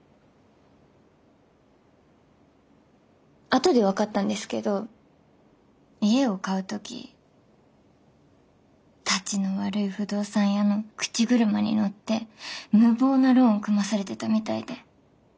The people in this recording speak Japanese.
後で分かったんですけど家を買う時タチの悪い不動産屋の口車に乗って無謀なローン組まされてたみたいで。